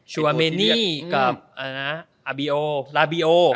โชวาเมนนี่กับระเบียว